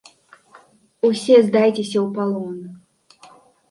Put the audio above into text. Усе здайцеся ў палон.